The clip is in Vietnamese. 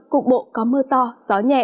cục bộ có mưa to gió nhẹ